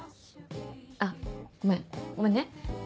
あごめんごめんね。